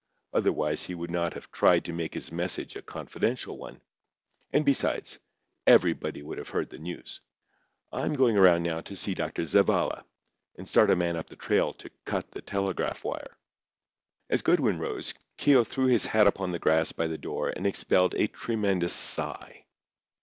Otherwise he would not have tried to make his message a confidential one; and besides, everybody would have heard the news. I'm going around now to see Dr. Zavalla, and start a man up the trail to cut the telegraph wire." As Goodwin rose, Keogh threw his hat upon the grass by the door and expelled a tremendous sigh.